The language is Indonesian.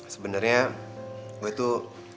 sebenernya gue tuh